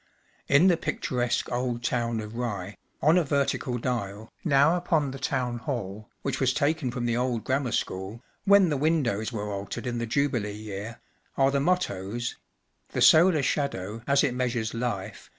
In the picturesque old town of Rye, on a vertical dial (now upon the Town Hall), which was taken from the old Grammar School, when the windows were altered in the Jubilee year, are the mottoes— 11 The solar shadow as it measures life.